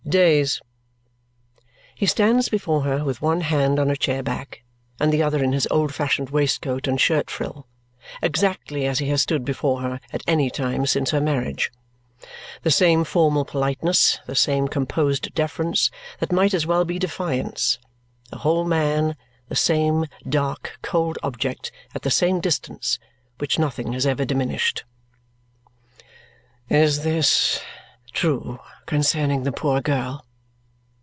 "Days." He stands before her with one hand on a chair back and the other in his old fashioned waistcoat and shirt frill, exactly as he has stood before her at any time since her marriage. The same formal politeness, the same composed deference that might as well be defiance; the whole man the same dark, cold object, at the same distance, which nothing has ever diminished. "Is this true concerning the poor girl?"